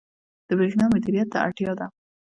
• د برېښنا مدیریت ته اړتیا ده.